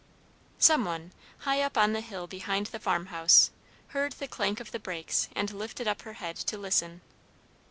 Some one, high up on the hill behind the farmhouse, heard the clank of the brakes, and lifted up her head to listen.